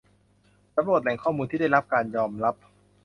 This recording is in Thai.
สำรวจแหล่งข้อมูลที่ได้รับการยอมรับ